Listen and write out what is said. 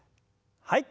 はい。